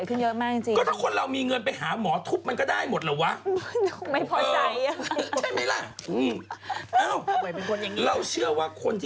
เออมึงรวยแต่กูไม่ว่าแต่สวยแต่กูไม่ค่อยปฏิเสธ